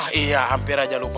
ah iya hampir saja lupa bu